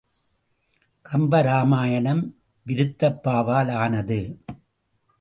கம்ப இராமாயணம் விருத்தப்பாவால் ஆனது.